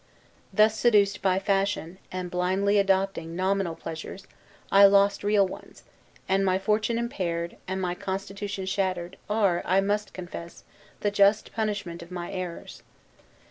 Thus seduced by fashion, and blindly adopting nominal pleasures, I lost real ones; and my fortune impaired, and my constitution shattered, are, I must confess, the just punishment of my errors.